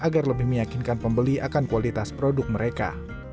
agar lebih meyakinkan pembeli akan kualitas produk mereka